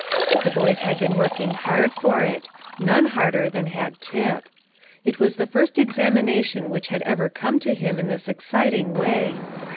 The boys had been working hard for it, none harder than had Tip. It was the first examination which had ever come to him in this exciting way.